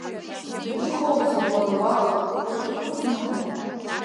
Иҟоузеи, уара уаҟа, уаргьы уӡма?!